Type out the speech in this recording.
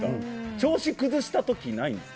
調子崩したときないんですか？